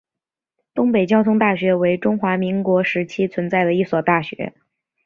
东北交通大学为中华民国时期存在的一所大学。